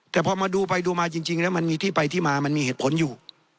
แต่พอมาดูไปดูมาจริงแล้วมันมีที่ไปที่มามันมีเหตุผลอยู่